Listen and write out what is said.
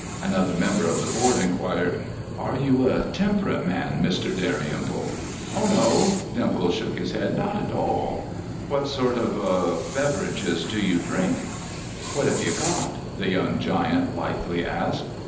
Another member of the board inquired: "Are you a temperate man, Mr. Dalrymple?" "Oh no!" Dimples shook his head. "Not at all." "What sort of—er—beverages do you drink?" "What have you got?" the young giant blithely asked.